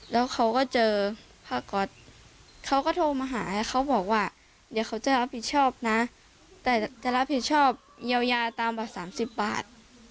แล้วเขาก็เจอผ้าก๊อตเขาก็โทรมาหาเขาบอกว่าเดี๋ยวเขาจะรับผิดชอบนะแต่จะรับผิดชอบเยียวยาตามกว่า๓๐บาท